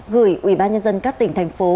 gửi ủy ban nhân dân các tỉnh thành phố